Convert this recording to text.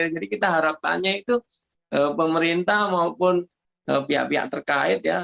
jadi kita harapannya itu pemerintah maupun pihak pihak terkait